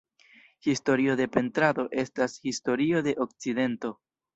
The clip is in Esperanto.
Historio de pentrado, estas historio de okcidento.